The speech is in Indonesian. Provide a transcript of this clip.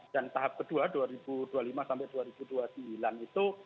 dan tahap kedua dua ribu dua puluh lima dua ribu dua puluh sembilan itu